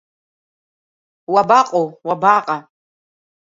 Уабаҟоу, уабаҟа?